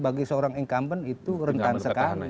bagi seorang incumbent itu rentan sekali